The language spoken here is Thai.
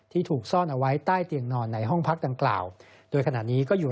ที่ถูกซ่อนเอาไว้ใต้เตียงนอนในห้องพักดังกล่าวโดยขณะนี้ก็อยู่